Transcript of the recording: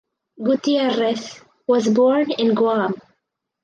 Gutierrez was born in Guam.